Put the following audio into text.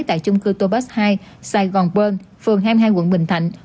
tại chung cư tobus hai sài gòn pơn phường hai mươi hai quận bình thạnh